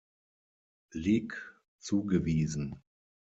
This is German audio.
Lig, zugewiesen.